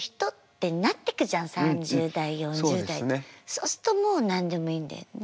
そうするともう何でもいいんだよね。